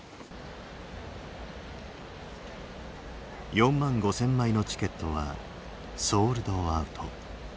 ４万５，０００枚のチケットはソールドアウト。